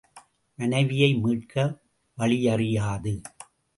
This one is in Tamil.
மனைவியை மீட்க வழியறியாது.